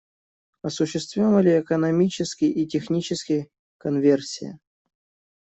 Осуществима ли экономически и технически конверсия?